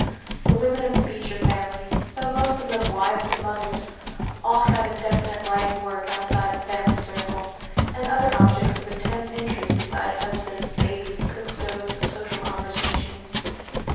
The women of the Beecher family, though most of them wives and mothers, all had a definite life work outside the family circle, and other objects of intense interest beside husbands, babies, cook stoves, and social conversations.